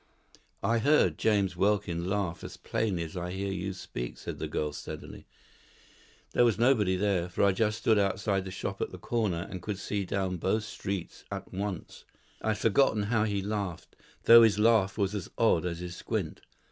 "I heard James Welkin laugh as plainly as I hear you speak," said the girl, steadily. "There was nobody there, for I stood just outside the shop at the corner, and could see down both streets at once. I had forgotten how he laughed, though his laugh was as odd as his squint.